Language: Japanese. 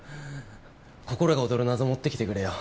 心が躍る謎持ってきてくれよ。